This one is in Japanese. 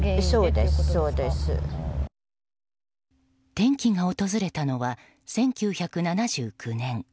転機が訪れたのは１９７９年。